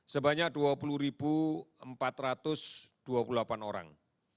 sebanyak dua puluh empat ratus dua puluh delapan orang